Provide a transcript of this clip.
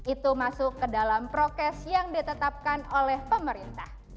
itu masuk ke dalam prokes yang ditetapkan oleh pemerintah